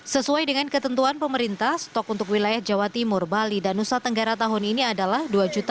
sesuai dengan ketentuan pemerintah stok untuk wilayah jawa timur bali dan nusa tenggara tahun ini adalah dua lima ratus